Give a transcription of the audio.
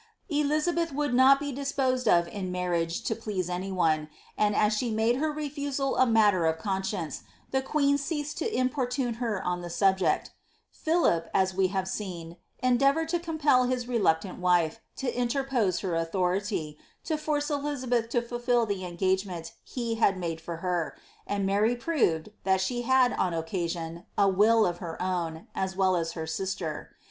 Elizabeth would not be disposed of in marriage to please any one, and as she made her refusal a matter of conscience, the queen ceased to im portune her on the subject Philip, as we have seen, endeavoured to compel his reluctant wife, to interpose her authority, to force Elizabeth to fulfil the engagement he had made for her, and Mary proved, that she had, on occasion, a will of her own, as well as her sister.